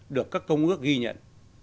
được các công ước ghi nhận